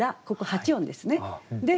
ここ８音ですね。